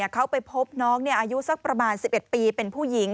เขาไปพบน้องอายุสักประมาณ๑๑ปีเป็นผู้หญิง